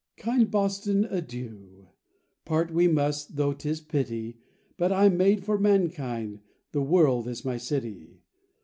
"Kind Boston, adieu! part we must, though 'tis pity, But I'm made for mankind: the world is my city.